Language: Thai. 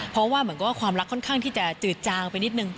เพราะว่าความรักค่อนข้างที่จะจืดจางเป็นนิดนึง